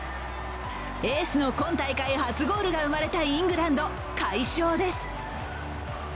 エースの今大会初ゴールが生まれたイングランド、快勝です。